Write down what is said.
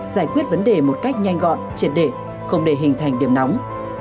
giải quyết vấn đề một cách nhanh gọn triệt để không để hình thành điểm nóng